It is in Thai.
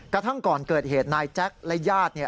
กระทั่งก่อนเกิดเหตุนายแจ็คและญาติ